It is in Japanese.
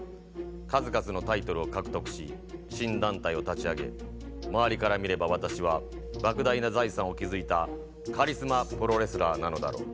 数々のタイトルを獲得し新団体を立ち上げ周りから見れば私はばく大な財産を築いたカリスマプロレスラーなのだろう。